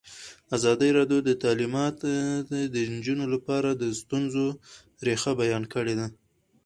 ازادي راډیو د تعلیمات د نجونو لپاره د ستونزو رېښه بیان کړې.